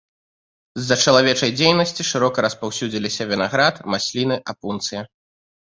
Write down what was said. З-за чалавечай дзейнасці шырока распаўсюдзіліся вінаград, масліны, апунцыя.